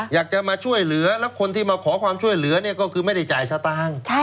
อยากจะมาช่วยเหลือแล้วคนที่มาขอความช่วยเหลือเนี่ยก็คือไม่ได้จ่ายสตางค์